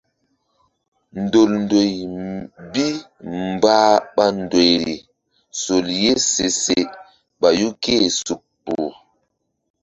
Ndol ndoy bi mbah ɓa ndoyri sol ye se se ɓayu ké-e suk kpuh.